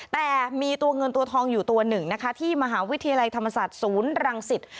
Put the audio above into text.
แต่มีตัวเงินตัวทองอยู่ตัวหนึ่งนะคะที่มหาวิทยาลัยธรรมศาสตร์ศูนย์รังสิต